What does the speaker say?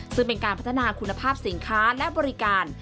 ซึ่งเป็นการพัฒนาคุณภาพสินค้าและบริการ